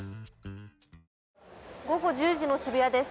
午後１０時の渋谷です。